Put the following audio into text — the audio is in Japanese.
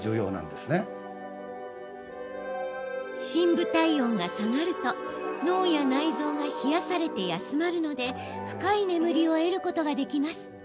深部体温が下がると脳や内臓が冷やされて休まるので深い眠りを得ることができます。